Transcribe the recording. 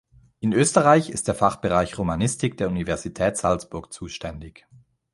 In Österreich ist der Fachbereich Romanistik der Universität Salzburg zuständig.